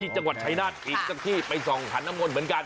จังหวัดชายนาฏอีกสักที่ไปส่องขันน้ำมนต์เหมือนกัน